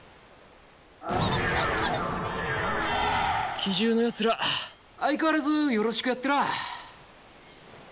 奇獣のやつら相変わらずよろしくやってらあ。